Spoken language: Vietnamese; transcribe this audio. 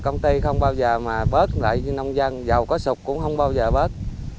công ty không bao giờ mà bớt lại nông dân dầu có sụp cũng không bao giờ bớt